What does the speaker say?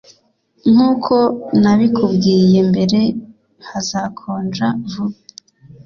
Nkuko nabikubwiye mbere hazakonja vuba